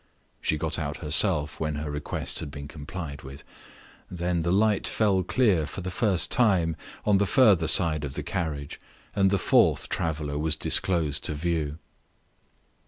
She got out herself when her request had been complied with. Then the light fell clear for the first time on the further side of the carriage, and the fourth traveler was disclosed to view.